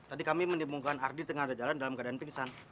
tadi kami menemukan ardi tengah ada jalan dalam keadaan pingsan